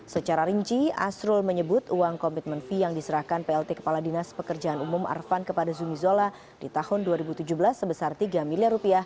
secara rinci asrul menyebut uang komitmen fee yang diserahkan plt kepala dinas pekerjaan umum arvan kepada zumi zola di tahun dua ribu tujuh belas sebesar rp tiga miliar